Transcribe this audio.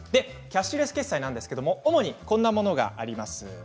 キャッシュレス決済なんですが主にこんなものがあります。